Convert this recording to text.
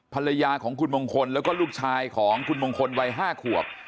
ภรรยาของคุณมงคลแล้วก็ลูกชายของคุณมงคลวัย๕ขวบ